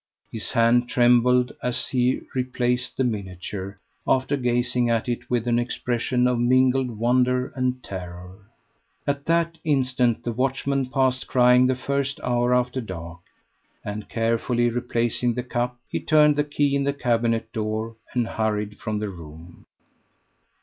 His hand trembled as he replaced the miniature, after gazing at it with an expression of mingled wonder and terror. At that instant the watchman passed crying the first hour after dark; and, carefully replacing the cup, he turned the key in the cabinet door and hurried from the room.